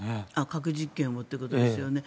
核実験をということですよね。